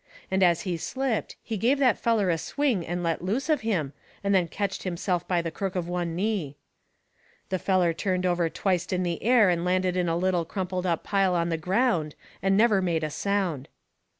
And as he slipped he give that feller a swing and let loose of him, and then ketched himself by the crook of one knee. The feller turned over twicet in the air and landed in a little crumpled up pile on the ground, and never made a sound.